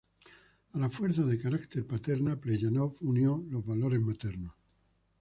A la fuerza de carácter paterna, Plejánov unió los valores maternos.